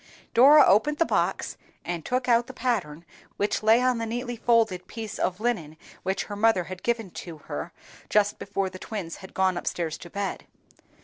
Dora opened the box, and took out the pattern which lay on the neatly folded piece of linen which her mother had given to her just before the twins had gone up stairs to bed.